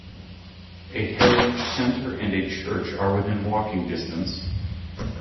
A heritage centre and a church are within walking distance.